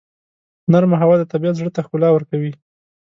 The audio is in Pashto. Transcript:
نرمه هوا د طبیعت زړه ته ښکلا ورکوي.